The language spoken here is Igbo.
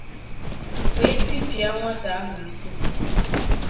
wee tipịa nwata ahụ isi.